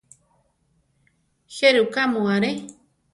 ¿Jéruka mu aré?